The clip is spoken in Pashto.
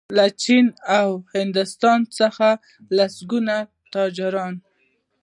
له چین او هندوستان څخه لسګونه تجاران